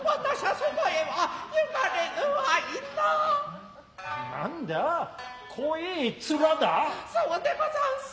そうでござんす。